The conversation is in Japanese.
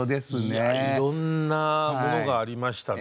いろんなものがありましたね。